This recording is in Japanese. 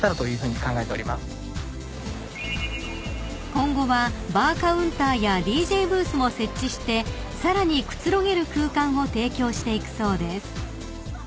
［今後はバーカウンターやＤＪブースも設置してさらにくつろげる空間を提供していくそうです］